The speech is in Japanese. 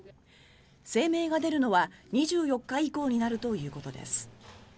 声明が出るのは２４日以降になるということです。